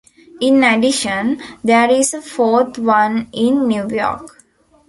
In addition, there is a fourth one in New York.